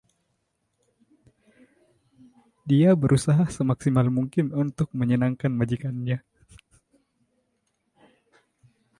Dia berusaha semaksimal mungkin untuk menyenangkan majikannya.